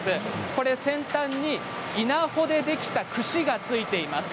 これは先端に稲穂でできたクシがついています。